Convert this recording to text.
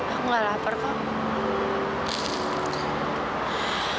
aku gak lapar kok